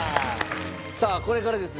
さあこれからですね